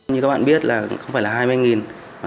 như các bạn biết không phải là hai mươi